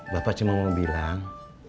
bapak cuma mau bilang